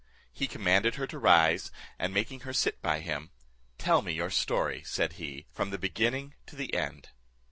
He commanded her to rise, and making her sit by him, "Tell me your story," said he, "from the beginning to the end."